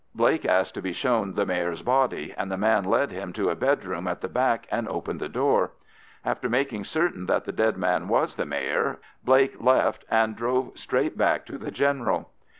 Blake asked to be shown the Mayor's body, and the man led him to a bedroom at the back and opened the door. After making certain that the dead man was the Mayor, Blake left and drove straight back to the General.